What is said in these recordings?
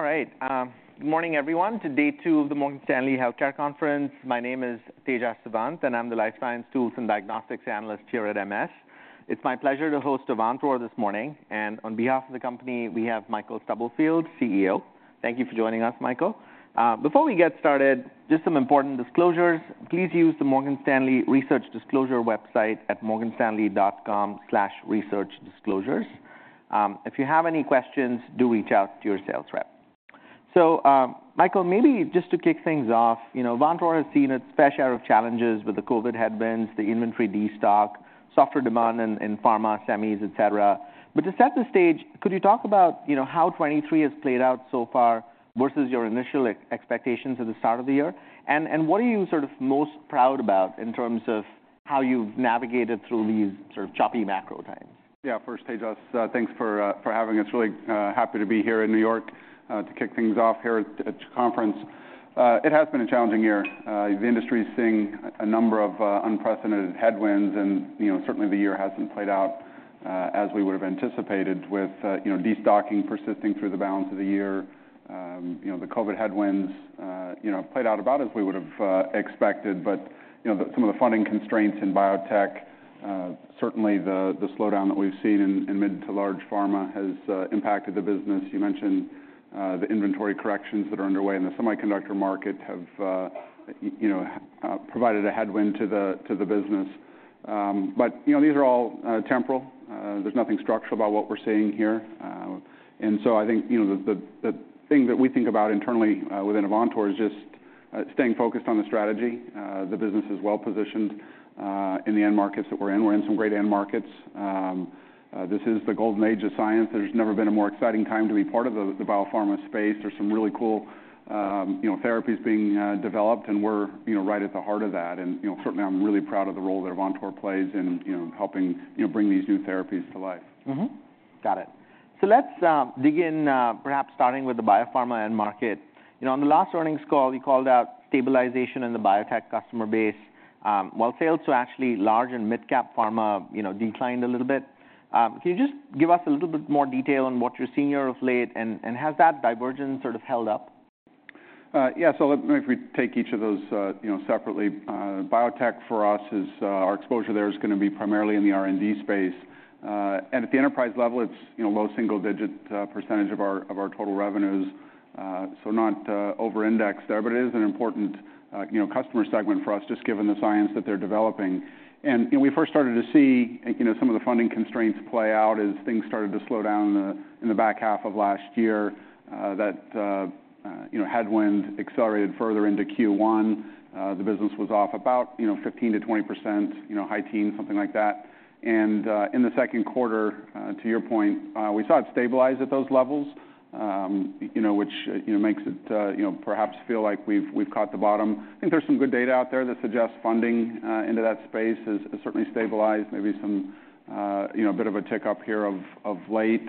All right. Good morning, everyone, to day two of the Morgan Stanley Healthcare Conference. My name is Tejas Savant, and I'm the life science tools and diagnostics analyst here at MS. It's my pleasure to host Avantor this morning, and on behalf of the company, we have Michael Stubblefield, CEO. Thank you for joining us, Michael. Before we get started, just some important disclosures. Please use the Morgan Stanley research disclosure website at morganstanley.com/researchdisclosures. If you have any questions, do reach out to your sales rep. So, Michael, maybe just to kick things off, you know, Avantor has seen its fair share of challenges with the COVID headwinds, the inventory destock, softer demand in pharma, semis, et cetera. But to set the stage, could you talk about, you know, how 2023 has played out so far versus your initial expectations at the start of the year? And what are you sort of most proud about in terms of how you've navigated through these sort of choppy macro times? Yeah. First, Tejas, thanks for having us. Really happy to be here in New York to kick things off here at your conference. It has been a challenging year. The industry is seeing a number of unprecedented headwinds and, you know, certainly the year hasn't played out as we would have anticipated with, you know, destocking persisting through the balance of the year. You know, the COVID headwinds, you know, played out about as we would have expected. But, you know, some of the funding constraints in biotech, certainly the slowdown that we've seen in mid to large pharma has impacted the business. You mentioned the inventory corrections that are underway in the semiconductor market have, you know, provided a headwind to the business. But, you know, these are all temporal. There's nothing structural about what we're seeing here. And so I think, you know, the thing that we think about internally within Avantor is just staying focused on the strategy. The business is well positioned in the end markets that we're in. We're in some great end markets. This is the golden age of science. There's never been a more exciting time to be part of the biopharma space. There's some really cool, you know, therapies being developed, and we're, you know, right at the heart of that. And, you know, certainly I'm really proud of the role that Avantor plays in, you know, helping bring these new therapies to life. Mm-hmm. Got it. So let's dig in, perhaps starting with the biopharma end market. You know, on the last earnings call, you called out stabilization in the biotech customer base, while sales to actually large and midcap pharma, you know, declined a little bit. Can you just give us a little bit more detail on what you're seeing year to date, and has that divergence sort of held up? Yeah. So let me, if we take each of those, you know, separately. Biotech for us is, our exposure there is gonna be primarily in the R&D space. And at the enterprise level, it's, you know, low single-digit % of our total revenues, so not overindexed there, but it is an important, you know, customer segment for us, just given the science that they're developing. And, you know, we first started to see, you know, some of the funding constraints play out as things started to slow down in the back half of last year. That headwind accelerated further into Q1. The business was off about, you know, 15%-20%, high teens, something like that. In the second quarter, to your point, we saw it stabilize at those levels, you know, which, you know, makes it, you know, perhaps feel like we've caught the bottom. I think there's some good data out there that suggests funding into that space has certainly stabilized, maybe some, you know, a bit of a tick-up here of late.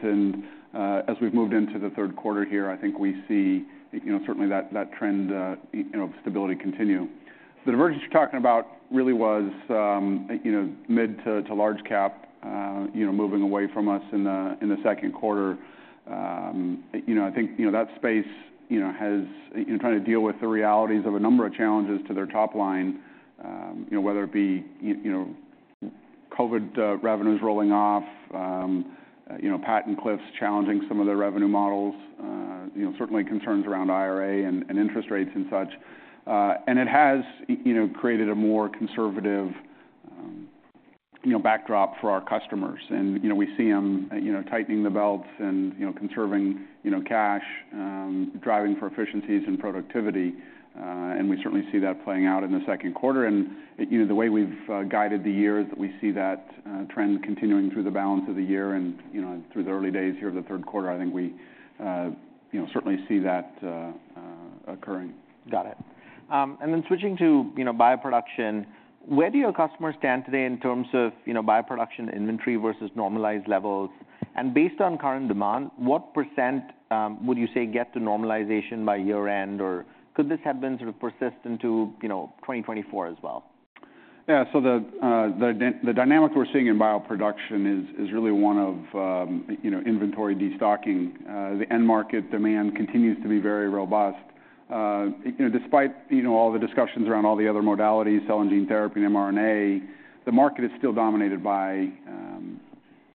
As we've moved into the third quarter here, I think we see, you know, certainly that trend, you know, stability continue. The divergence you're talking about really was, you know, mid to large cap, you know, moving away from us in the second quarter. You know, I think, you know, that space, you know, has, you know, trying to deal with the realities of a number of challenges to their top line, you know, whether it be, you know, COVID, revenues rolling off, you know, patent cliffs challenging some of their revenue models, you know, certainly concerns around IRA and interest rates and such. And it has, you know, created a more conservative, you know, backdrop for our customers. And, you know, we see them, you know, tightening the belts and, you know, conserving, you know, cash, driving for efficiencies and productivity, and we certainly see that playing out in the second quarter. And, you know, the way we've guided the year is that we see that trend continuing through the balance of the year. You know, through the early days here of the third quarter, I think we, you know, certainly see that occurring. Got it. And then switching to, you know, bioproduction, where do your customers stand today in terms of, you know, bioproduction inventory versus normalized levels? And based on current demand, what %, would you say, get to normalization by year-end, or could this have been sort of persistent to, you know, 2024 as well? Yeah. So the dynamic we're seeing in bioproduction is really one of, you know, inventory destocking. The end market demand continues to be very robust. You know, despite, you know, all the discussions around all the other modalities, cell and gene therapy and mRNA, the market is still dominated by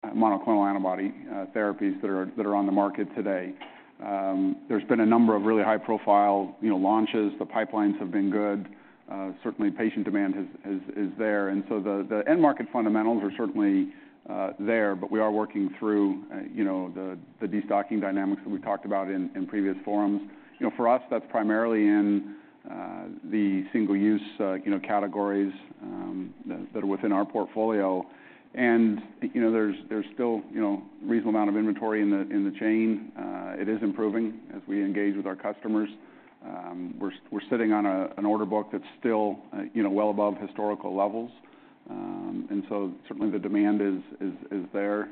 monoclonal antibody therapies that are on the market today. There's been a number of really high-profile, you know, launches. The pipelines have been good. Certainly patient demand is there. And so the end market fundamentals are certainly there, but we are working through, you know, the destocking dynamics that we talked about in previous forums. You know, for us, that's primarily in the single-use, you know, categories that are within our portfolio. You know, there's still a reasonable amount of inventory in the chain. It is improving as we engage with our customers. We're sitting on an order book that's still, you know, well above historical levels. And so certainly the demand is there.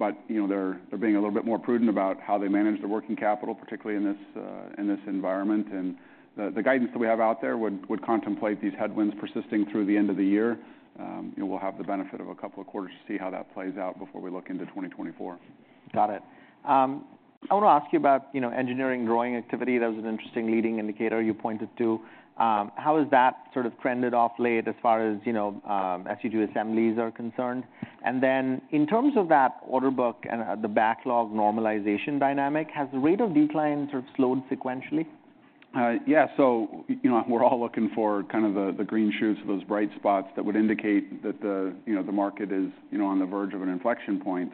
But, you know, they're being a little bit more prudent about how they manage their working capital, particularly in this environment. And the guidance that we have out there would contemplate these headwinds persisting through the end of the year. And we'll have the benefit of a couple of quarters to see how that plays out before we look into 2024. Got it. I want to ask you about, you know, engineering drawing activity. That was an interesting leading indicator you pointed to. How has that sort of trended off late as far as, you know, SUG assemblies are concerned? And then in terms of that order book and the backlog normalization dynamic, has the rate of decline sort of slowed sequentially? Yeah. So, you know, we're all looking for kind of the, the green shoots, those bright spots that would indicate that the, you know, the market is, you know, on the verge of an inflection point.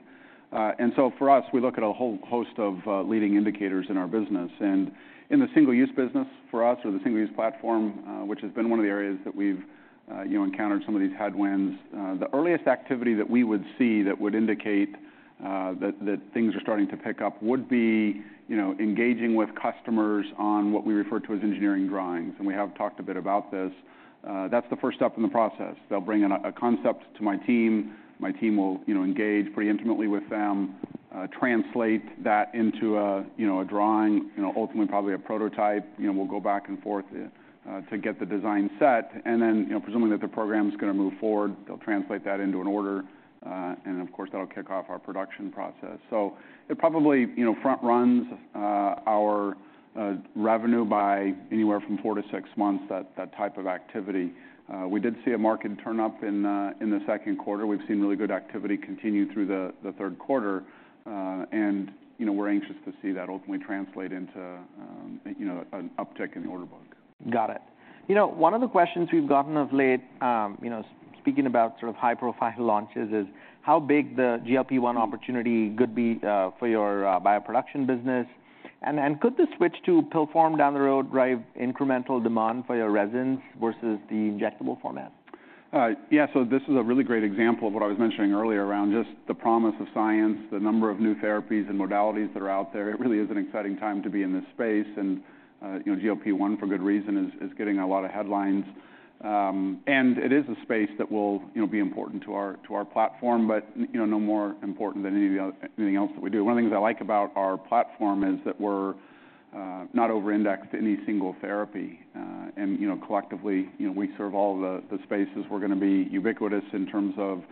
And so for us, we look at a whole host of leading indicators in our business. And in the single-use business, for us, or the single-use platform, which has been one of the areas that we've, you know, encountered some of these headwinds. The earliest activity that we would see that would indicate that things are starting to pick up would be, you know, engaging with customers on what we refer to as engineering drawings, and we have talked a bit about this. That's the first step in the process. They'll bring in a concept to my team. My team will, you know, engage pretty intimately with them, translate that into a, you know, a drawing, you know, ultimately probably a prototype. You know, we'll go back and forth, to get the design set. And then, you know, presuming that the program is gonna move forward, they'll translate that into an order. And of course, that'll kick off our production process. So it probably, you know, front runs, our revenue by anywhere from four to six months, that type of activity. We did see a market turn up in, in the second quarter. We've seen really good activity continue through the third quarter. And, you know, we're anxious to see that ultimately translate into, you know, an uptick in the order book. Got it. You know, one of the questions we've gotten of late, you know, speaking about sort of high-profile launches, is how big the GLP-1 opportunity could be, for your Bioproduction business. And could the switch to pill form down the road drive incremental demand for your resins versus the injectable format? Yeah. So this is a really great example of what I was mentioning earlier, around just the promise of science, the number of new therapies and modalities that are out there. It really is an exciting time to be in this space, and, you know, GLP-1, for good reason, is, is getting a lot of headlines. And it is a space that will, you know, be important to our, to our platform, but, you know, no more important than any other- anything else that we do. One of the things I like about our platform is that we're, not over indexed to any single therapy. And, you know, collectively, you know, we serve all the, the spaces. We're gonna be ubiquitous in terms of,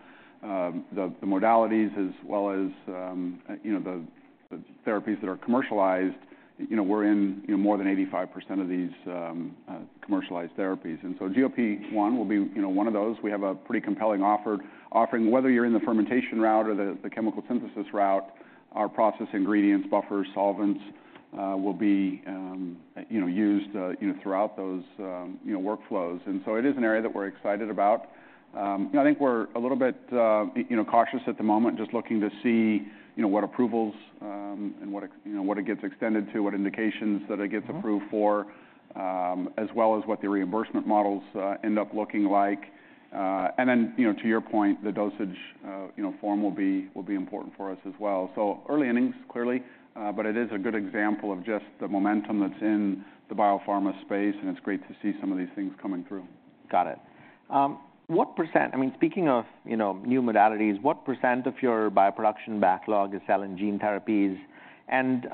the, the modalities as well as, you know, the, the therapies that are commercialized. You know, we're in, you know, more than 85% of these, commercialized therapies. And so GLP-1 will be, you know, one of those. We have a pretty compelling offering, whether you're in the fermentation route or the chemical synthesis route, our process ingredients, buffers, solvents, will be, you know, used, you know, throughout those, you know, workflows. And so it is an area that we're excited about. I think we're a little bit, you know, cautious at the moment, just looking to see, you know, what approvals, and what it, you know, what it gets extended to, what indications that it gets approved for- Mm-hmm... as well as what the reimbursement models end up looking like. And then, you know, to your point, the dosage, you know, form will be, will be important for us as well. So early innings, clearly, but it is a good example of just the momentum that's in the biopharma space, and it's great to see some of these things coming through. Got it. What %—I mean, speaking of, you know, new modalities, what % of your bioproduction backlog is cell and gene therapies? And,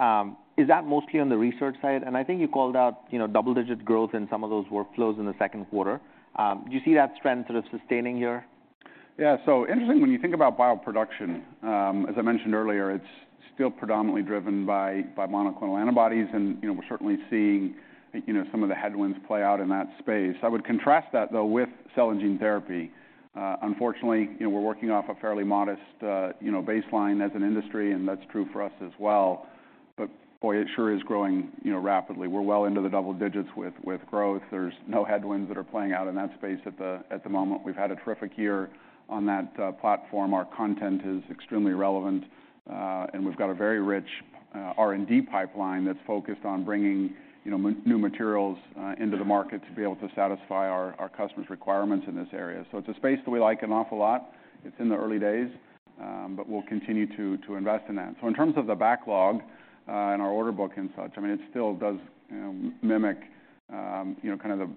is that mostly on the research side? And I think you called out, you know, double-digit growth in some of those workflows in the second quarter. Do you see that trend sort of sustaining here? Yeah. So interesting when you think about bioproduction, as I mentioned earlier, it's still predominantly driven by, by monoclonal antibodies. And, you know, we're certainly seeing, you know, some of the headwinds play out in that space. I would contrast that, though, with cell and gene therapy. Unfortunately, you know, we're working off a fairly modest, you know, baseline as an industry, and that's true for us as well. But boy, it sure is growing, you know, rapidly. We're well into the double digits with, with growth. There's no headwinds that are playing out in that space at the, at the moment. We've had a terrific year on that platform. Our content is extremely relevant, and we've got a very rich R&D pipeline that's focused on bringing, you know, new materials into the market to be able to satisfy our customers' requirements in this area. So it's a space that we like an awful lot. It's in the early days, but we'll continue to invest in that. So in terms of the backlog and our order book and such, I mean, it still does mimic, you know, kind of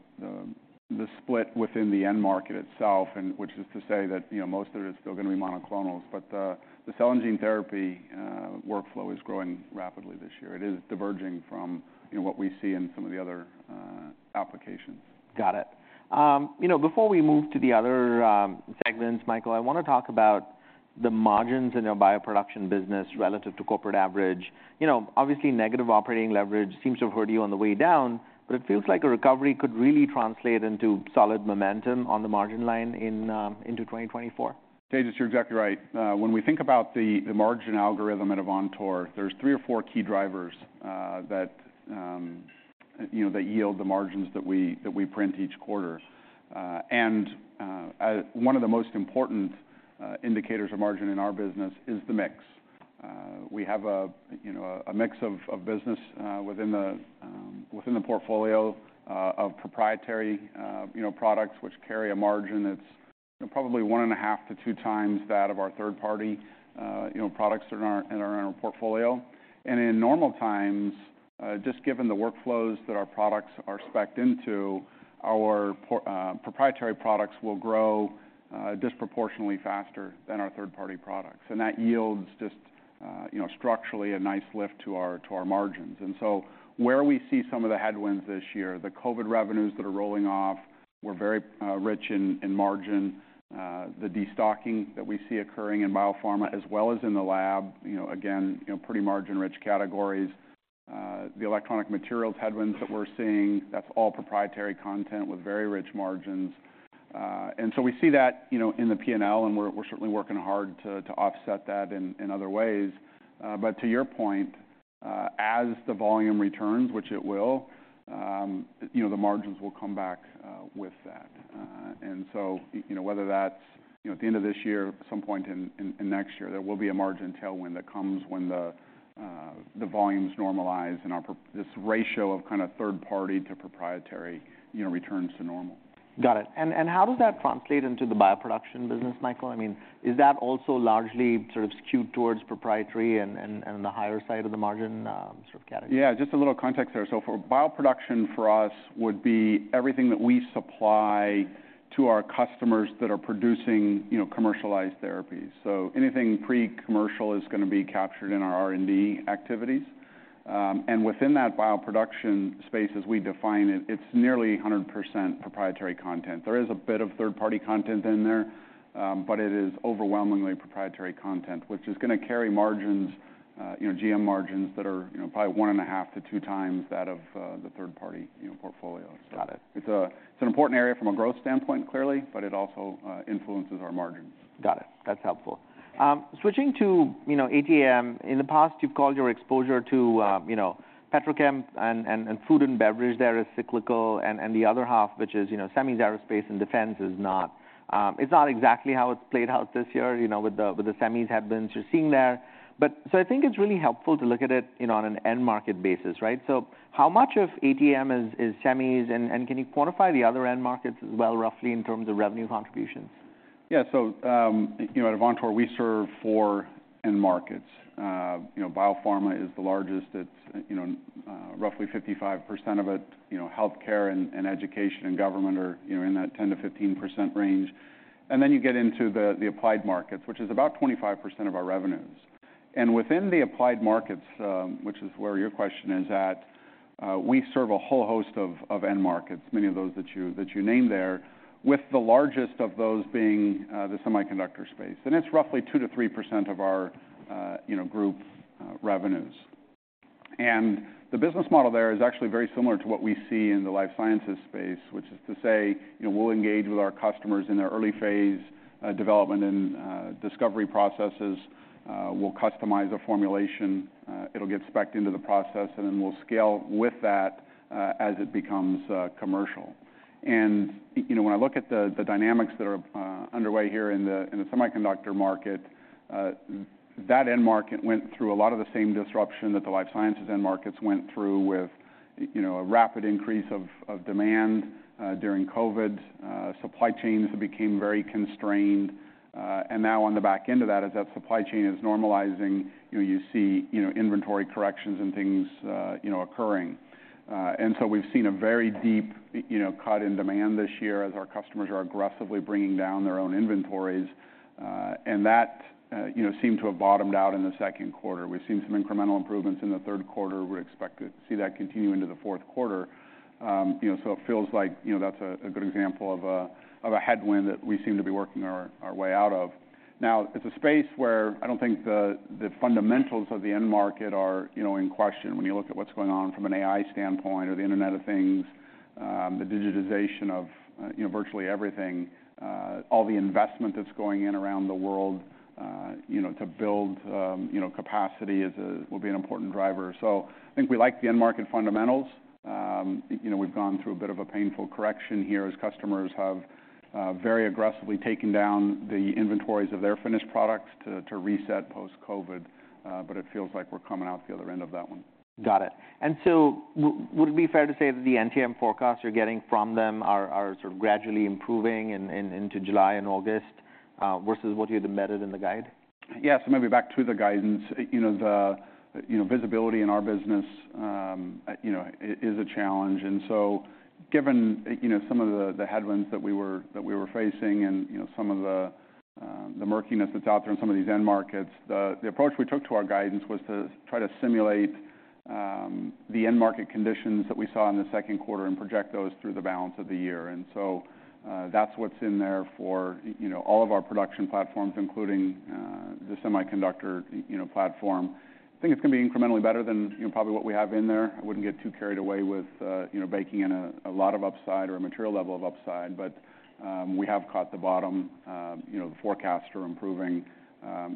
the split within the end market itself and which is to say that, you know, most of it is still gonna be monoclonals, but the cell and gene therapy workflow is growing rapidly this year. It is diverging from, you know, what we see in some of the other applications. Got it. You know, before we move to the other segments, Michael, I want to talk about the margins in your Bioproduction business relative to corporate average. You know, obviously, negative operating leverage seems to have hurt you on the way down, but it feels like a recovery could really translate into solid momentum on the margin line into 2024. Tejas, you're exactly right. When we think about the margin algorithm at Avantor, there's three or four key drivers that you know that yield the margins that we, that we print each quarter. One of the most important indicators of margin in our business is the mix. We have a you know a mix of business within the portfolio of proprietary you know products, which carry a margin that's probably 1.5x-2x that of our third-party you know products in our portfolio. And in normal times, just given the workflows that our products are spec'd into, our proprietary products will grow disproportionately faster than our third-party products. And that yields just, you know, structurally, a nice lift to our, to our margins. And so where we see some of the headwinds this year, the COVID revenues that are rolling off, we're very, rich in, in margin. The destocking that we see occurring in biopharma as well as in the lab, you know, again, you know, pretty margin-rich categories.... The electronic materials headwinds that we're seeing, that's all proprietary content with very rich margins. And so we see that, you know, in the P&L, and we're, we're certainly working hard to, to offset that in, in other ways. But to your point, as the volume returns, which it will, you know, the margins will come back, with that. and so, you know, whether that's, you know, at the end of this year or some point in next year, there will be a margin tailwind that comes when the volumes normalize and this ratio of kind of third party to proprietary, you know, returns to normal. Got it. And how does that translate into the bioproduction business, Michael? I mean, is that also largely sort of skewed towards proprietary and the higher side of the margin, sort of category? Yeah, just a little context there. So for bioproduction, for us, would be everything that we supply to our customers that are producing, you know, commercialized therapies. So anything pre-commercial is gonna be captured in our R&D activities. And within that bioproduction space, as we define it, it's nearly 100% proprietary content. There is a bit of third-party content in there, but it is overwhelmingly proprietary content, which is gonna carry margins, you know, GM margins that are, you know, probably 1.5x-2x that of the third party, you know, portfolio. Got it. It's an important area from a growth standpoint, clearly, but it also influences our margins. Got it. That's helpful. Switching to, you know, ATM. In the past, you've called your exposure to, you know, petrochem and food and beverage there as cyclical, and the other half, which is, you know, semis, aerospace, and defense is not. It's not exactly how it's played out this year, you know, with the semis headwinds you're seeing there. But so I think it's really helpful to look at it, you know, on an end market basis, right? So how much of ATM is semis, and can you quantify the other end markets as well, roughly in terms of revenue contributions? Yeah. So, you know, at Avantor, we serve four end markets. You know, biopharma is the largest. It's, you know, roughly 55% of it. You know, healthcare and education and government are, you know, in that 10%-15% range. And then you get into the applied markets, which is about 25% of our revenues. And within the applied markets, which is where your question is at, we serve a whole host of end markets, many of those that you named there, with the largest of those being, the semiconductor space. And it's roughly 2%-3% of our, you know, group revenues. The business model there is actually very similar to what we see in the life sciences space, which is to say, you know, we'll engage with our customers in their early phase, development and, discovery processes. We'll customize a formulation, it'll get spec'd into the process, and then we'll scale with that, as it becomes, commercial. You know, when I look at the dynamics that are underway here in the semiconductor market, that end market went through a lot of the same disruption that the life sciences end markets went through with, you know, a rapid increase of demand during COVID. Supply chains became very constrained. Now on the back end of that, as that supply chain is normalizing, you know, you see, you know, inventory corrections and things, you know, occurring. So we've seen a very deep, you know, cut in demand this year as our customers are aggressively bringing down their own inventories. That, you know, seemed to have bottomed out in the second quarter. We've seen some incremental improvements in the third quarter. We expect to see that continue into the fourth quarter. You know, so it feels like, you know, that's a good example of a headwind that we seem to be working our way out of. Now, it's a space where I don't think the fundamentals of the end market are, you know, in question when you look at what's going on from an AI standpoint or the Internet of Things, the digitization of, you know, virtually everything. All the investment that's going in around the world, you know, to build capacity will be an important driver. So I think we like the end market fundamentals. You know, we've gone through a bit of a painful correction here as customers have very aggressively taken down the inventories of their finished products to reset post-COVID, but it feels like we're coming out the other end of that one. Got it. And so would it be fair to say that the NTM forecasts you're getting from them are sort of gradually improving into July and August versus what you had embedded in the guide? Yeah. So maybe back to the guidance. You know, the, you know, visibility in our business, you know, is a challenge. And so given, you know, some of the headwinds that we were facing and, you know, some of the murkiness that's out there in some of these end markets, the approach we took to our guidance was to try to simulate the end market conditions that we saw in the second quarter and project those through the balance of the year. And so, that's what's in there for, you know, all of our production platforms, including the semiconductor, you know, platform. I think it's gonna be incrementally better than, you know, probably what we have in there. I wouldn't get too carried away with, you know, baking in a lot of upside or a material level of upside, but we have caught the bottom. You know, the forecasts are improving.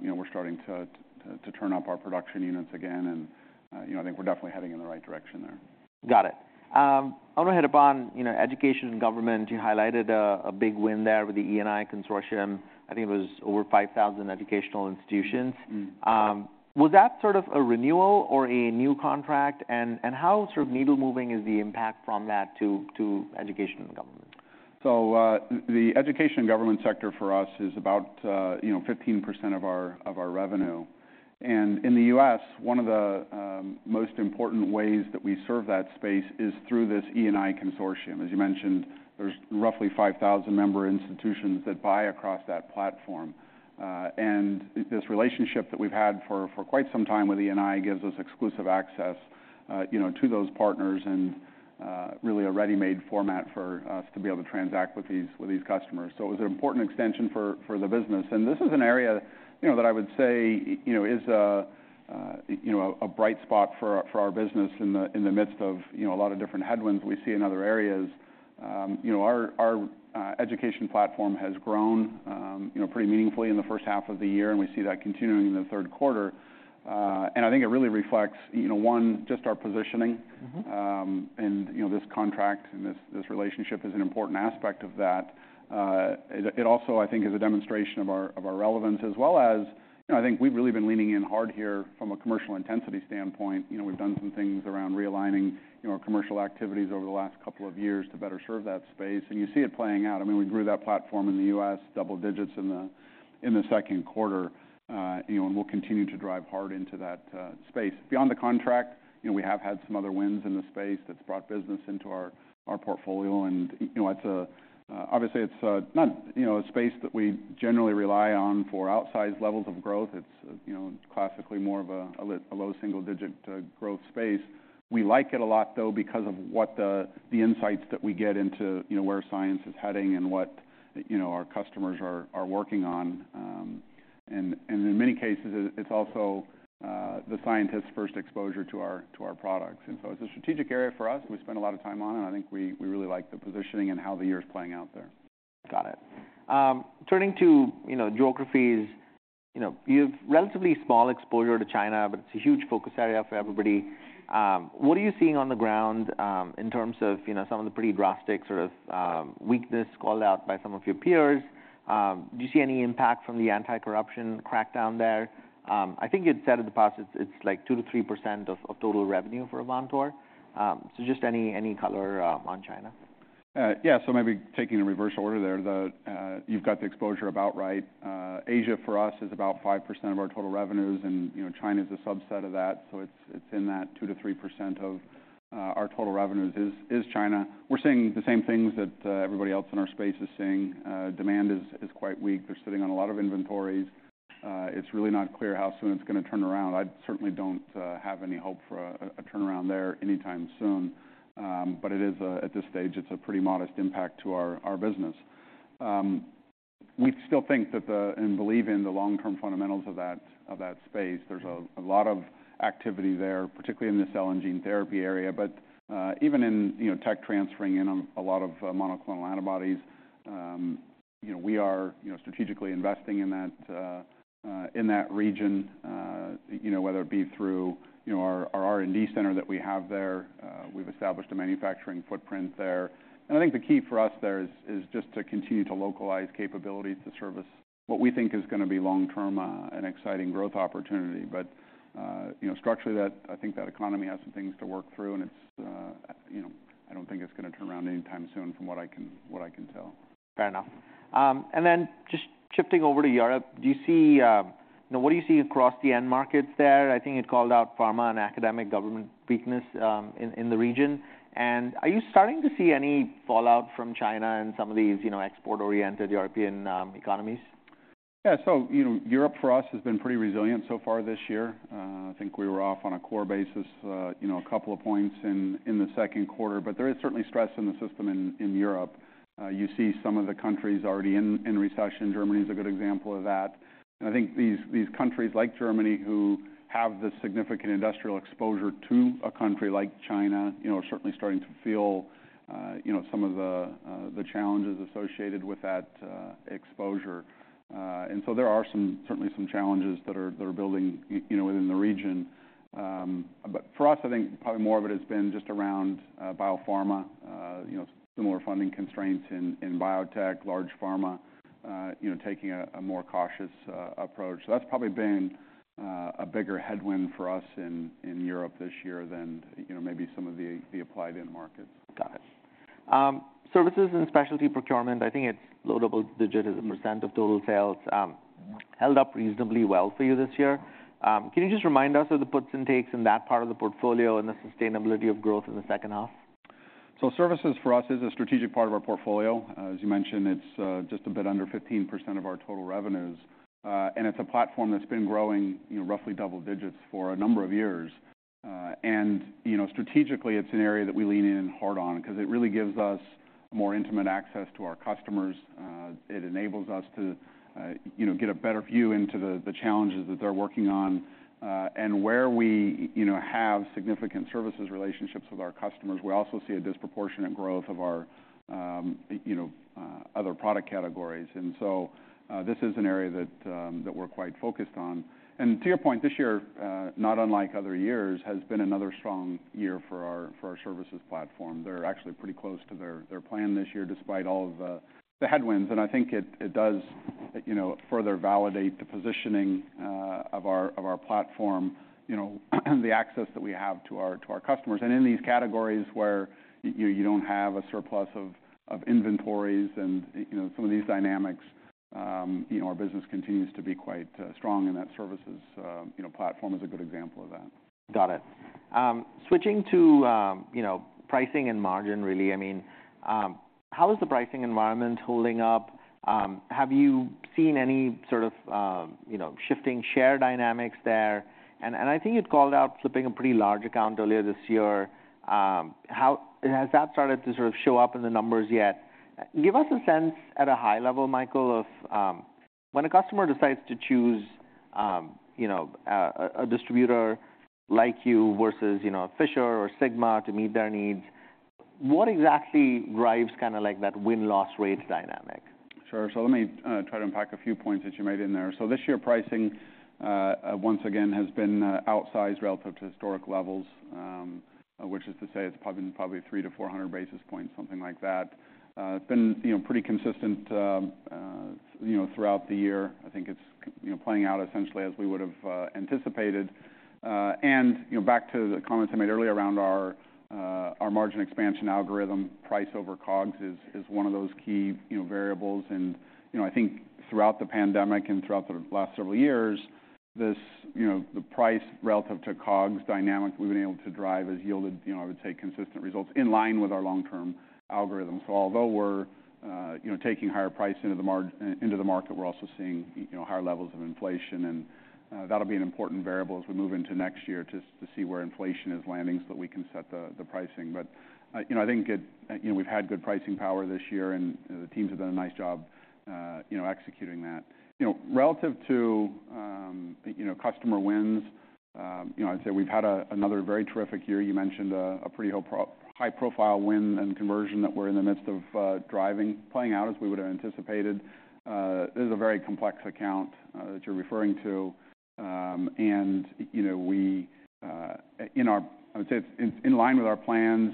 You know, we're starting to turn up our production units again, and, you know, I think we're definitely heading in the right direction there. Got it. I want to hit upon, you know, education and government. You highlighted a big win there with the E&I consortium. I think it was over 5,000 educational institutions. Mm-hmm. Was that sort of a renewal or a new contract? And how sort of needle moving is the impact from that to education and government? So, the education and government sector for us is about, you know, 15% of our, of our revenue. And in the U.S., one of the, most important ways that we serve that space is through this E&I consortium. As you mentioned, there's roughly 5,000 member institutions that buy across that platform. And this relationship that we've had for, for quite some time with E&I gives us exclusive access, you know, to those partners and, really a ready-made format for us to be able to transact with these, with these customers. So it was an important extension for, for the business. This is an area, you know, that I would say, you know, is a you know a bright spot for our business in the midst of, you know, a lot of different headwinds we see in other areas. You know, our education platform has grown you know pretty meaningfully in the first half of the year, and we see that continuing in the third quarter. And I think it really reflects, you know, one, just our positioning. Mm-hmm. And, you know, this contract and this relationship is an important aspect of that. It also, I think, is a demonstration of our relevance as well as, you know, I think we've really been leaning in hard here from a commercial intensity standpoint. You know, we've done some things around realigning, you know, our commercial activities over the last couple of years to better serve that space, and you see it playing out. I mean, we grew that platform in the U.S. double digits in the second quarter, you know, and we'll continue to drive hard into that space. Beyond the contract, you know, we have had some other wins in the space that's brought business into our portfolio and, you know, it's... Obviously, it's not, you know, a space that we generally rely on for outsized levels of growth. It's, you know, classically more of a low single-digit growth space. We like it a lot, though, because of the insights that we get into, you know, where science is heading and what our customers are working on. And in many cases, it's also the scientists' first exposure to our products. And so it's a strategic area for us. We spend a lot of time on it. I think we really like the positioning and how the year is playing out there. Got it. Turning to, you know, geographies, you know, you've relatively small exposure to China, but it's a huge focus area for everybody. What are you seeing on the ground, in terms of, you know, some of the pretty drastic sort of weakness called out by some of your peers? Do you see any impact from the anti-corruption crackdown there? I think you'd said in the past, it's like 2%-3% of total revenue for Avantor. So just any color on China? Yeah. So maybe taking the reverse order there, you've got the exposure about right. Asia, for us, is about 5% of our total revenues, and, you know, China is a subset of that, so it's in that 2%-3% of our total revenues is China. We're seeing the same things that everybody else in our space is seeing. Demand is quite weak. They're sitting on a lot of inventories. It's really not clear how soon it's gonna turn around. I certainly don't have any hope for a turnaround there anytime soon. But it is at this stage a pretty modest impact to our business. We still think that and believe in the long-term fundamentals of that space. There's a lot of activity there, particularly in the cell and gene therapy area, but even in, you know, tech transferring in a lot of monoclonal antibodies, you know, we are, you know, strategically investing in that in that region, you know, whether it be through, you know, our R&D center that we have there, we've established a manufacturing footprint there. And I think the key for us there is just to continue to localize capabilities to service what we think is gonna be long-term an exciting growth opportunity. But, you know, structurally, that economy has some things to work through, and it's, you know, I don't think it's gonna turn around anytime soon from what I can tell. Fair enough. And then just shifting over to Europe, do you see... Now, what do you see across the end markets there? I think you'd called out pharma and academic government weakness, in the region. And are you starting to see any fallout from China and some of these, you know, export-oriented European, economies? Yeah. So, you know, Europe, for us, has been pretty resilient so far this year. I think we were off on a core basis, you know, a couple of points in the second quarter, but there is certainly stress in the system in Europe. You see some of the countries already in recession. Germany is a good example of that. And I think these countries like Germany, who have this significant industrial exposure to a country like China, you know, are certainly starting to feel, you know, some of the challenges associated with that exposure. And so there are some certainly some challenges that are building you know, within the region. But for us, I think probably more of it has been just around biopharma, you know, similar funding constraints in biotech, large pharma, you know, taking a more cautious approach. So that's probably been a bigger headwind for us in Europe this year than, you know, maybe some of the applied end markets. Got it. Services and specialty procurement, I think it's low double-digit as a percent of total sales, held up reasonably well for you this year. Can you just remind us of the puts and takes in that part of the portfolio and the sustainability of growth in the second half? So services, for us, is a strategic part of our portfolio. As you mentioned, it's just a bit under 15% of our total revenues, and it's a platform that's been growing, you know, roughly double digits for a number of years. And, you know, strategically, it's an area that we lean in hard on because it really gives us more intimate access to our customers. It enables us to, you know, get a better view into the challenges that they're working on. And where we, you know, have significant services relationships with our customers, we also see a disproportionate growth of our, you know, other product categories. And so, this is an area that we're quite focused on. And to your point, this year, not unlike other years, has been another strong year for our services platform. They're actually pretty close to their plan this year, despite all of the headwinds. And I think it does, you know, further validate the positioning of our platform, you know, the access that we have to our customers. And in these categories where you don't have a surplus of inventories and, you know, some of these dynamics, you know, our business continues to be quite strong, and that services platform is a good example of that. Got it. Switching to, you know, pricing and margin, really, I mean, how is the pricing environment holding up? Have you seen any sort of, you know, shifting share dynamics there? And I think you'd called out flipping a pretty large account earlier this year. How has that started to sort of show up in the numbers yet? Give us a sense, at a high level, Michael, of... When a customer decides to choose, you know, a distributor like you versus, you know, Fisher or Sigma to meet their needs, what exactly drives kind of like that win-loss rate dynamic? Sure. So let me, try to unpack a few points that you made in there. So this year, pricing, once again, has been, outsized relative to historic levels, which is to say it's probably, probably 300-400 basis points, something like that. It's been, you know, pretty consistent, you know, throughout the year. I think it's, you know, playing out essentially as we would've, anticipated. And, you know, back to the comments I made earlier around our, our margin expansion algorithm, price over COGS is, is one of those key, you know, variables. And, you know, I think throughout the pandemic and throughout the last several years, this, you know, the price relative to COGS dynamic we've been able to drive has yielded, you know, I would say, consistent results in line with our long-term algorithm. So although we're, you know, taking higher price into the market, we're also seeing, you know, higher levels of inflation. And that'll be an important variable as we move into next year, to see where inflation is landing so that we can set the pricing. But you know, I think it... You know, we've had good pricing power this year, and the teams have done a nice job, you know, executing that. You know, relative to, you know, customer wins, you know, I'd say we've had another very terrific year. You mentioned a pretty high-profile win and conversion that we're in the midst of driving, playing out as we would've anticipated. This is a very complex account that you're referring to. And, you know, we, in our... I would say it's in line with our plans,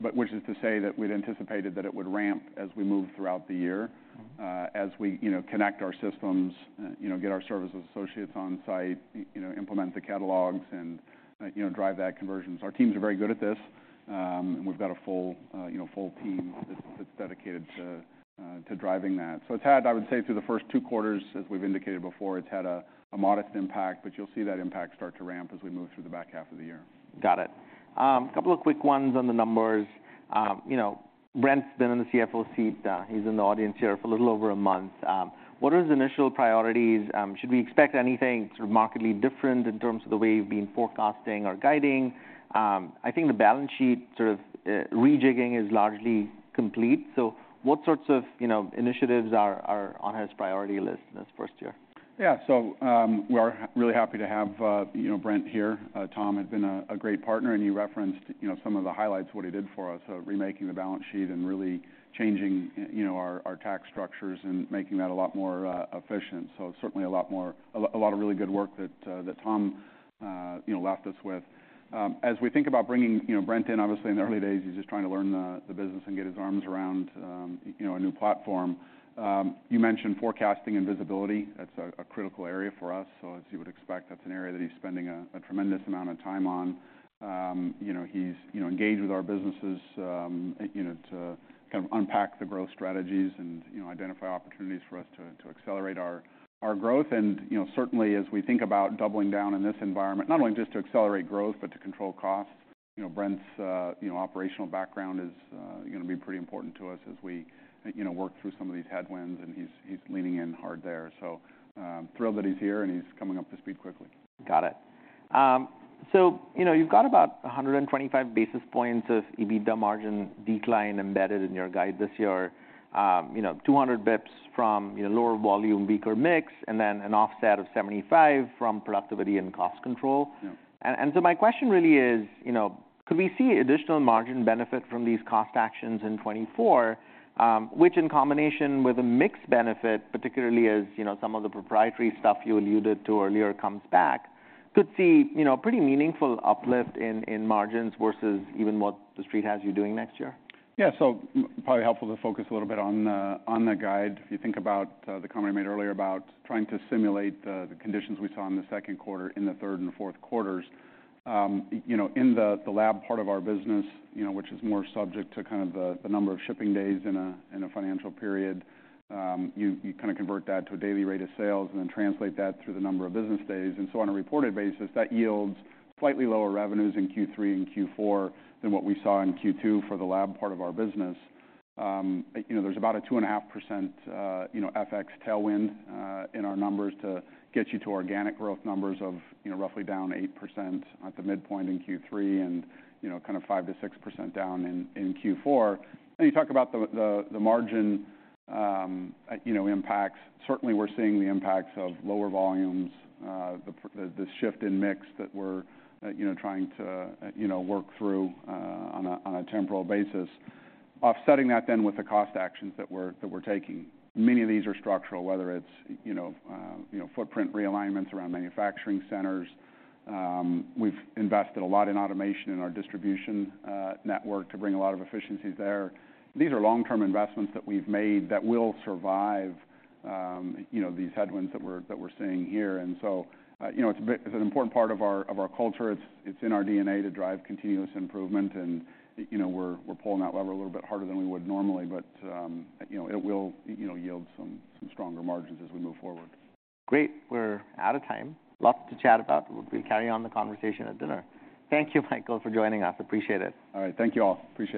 but which is to say that we'd anticipated that it would ramp as we move throughout the year- Mm-hmm... as we, you know, connect our systems, you know, get our services associates on site, you know, implement the catalogs, and, you know, drive that conversions. Our teams are very good at this, and we've got a full, you know, full team that's dedicated to driving that. So it's had, I would say, through the first two quarters, as we've indicated before, it's had a modest impact, but you'll see that impact start to ramp as we move through the back half of the year. Got it. A couple of quick ones on the numbers. You know, Brent's been in the CFO seat, he's in the audience here, for a little over a month. What are his initial priorities? Should we expect anything sort of markedly different in terms of the way you've been forecasting or guiding? I think the balance sheet sort of, rejigging is largely complete, so what sorts of, you know, initiatives are on his priority list in his first year? Yeah. So, we are really happy to have, you know, Brent here. Tom had been a great partner, and you referenced, you know, some of the highlights, what he did for us, remaking the balance sheet and really changing, you know, our tax structures and making that a lot more efficient. So certainly a lot more. A lot of really good work that Tom, you know, left us with. As we think about bringing, you know, Brent in, obviously, in the early days, he's just trying to learn the business and get his arms around, you know, a new platform. You mentioned forecasting and visibility. That's a critical area for us, so as you would expect, that's an area that he's spending a tremendous amount of time on. You know, he's, you know, engaged with our businesses, you know, to kind of unpack the growth strategies and, you know, identify opportunities for us to accelerate our growth. And, you know, certainly as we think about doubling down in this environment, not only just to accelerate growth, but to control costs, you know, Brent's, you know, operational background is gonna be pretty important to us as we, you know, work through some of these headwinds, and he's leaning in hard there. So, thrilled that he's here, and he's coming up to speed quickly. Got it. So, you know, you've got about 125 basis points of EBITDA margin decline embedded in your guide this year. You know, 200 basis points from, you know, lower volume, weaker mix, and then an offset of 75 from productivity and cost control. Yeah. So my question really is, you know, could we see additional margin benefit from these cost actions in 2024? Which in combination with a mixed benefit, particularly as, you know, some of the proprietary stuff you alluded to earlier comes back, could see, you know, pretty meaningful uplift in margins versus even what the Street has you doing next year. Yeah, so probably helpful to focus a little bit on the, on the guide. If you think about, the comment I made earlier about trying to simulate the, the conditions we saw in the second quarter, in the third and fourth quarters, you know, in the, the lab part of our business, you know, which is more subject to kind of the, the number of shipping days in a, in a financial period, you kind of convert that to a daily rate of sales and then translate that through the number of business days. And so on a reported basis, that yields slightly lower revenues in Q3 and Q4 than what we saw in Q2 for the lab part of our business. You know, there's about a 2.5% FX tailwind in our numbers to get you to organic growth numbers of, you know, roughly down 8% at the midpoint in Q3, and, you know, kind of 5%-6% down in Q4. Then, you talk about the margin impacts. Certainly, we're seeing the impacts of lower volumes, the shift in mix that we're, you know, trying to, you know, work through on a temporal basis. Offsetting that then with the cost actions that we're taking. Many of these are structural, whether it's, you know, footprint realignments around manufacturing centers. We've invested a lot in automation in our distribution network to bring a lot of efficiencies there. These are long-term investments that we've made that will survive, you know, these headwinds that we're seeing here. And so, you know, it's an important part of our culture. It's in our DNA to drive continuous improvement, and, you know, we're pulling that lever a little bit harder than we would normally, but, you know, it will, you know, yield some stronger margins as we move forward. Great. We're out of time. Lot to chat about. We'll carry on the conversation at dinner. Thank you, Michael, for joining us. Appreciate it. All right. Thank you all. Appreciate it.